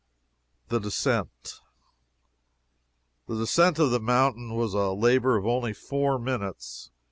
THE DESCENT. The descent of the mountain was a labor of only four minutes.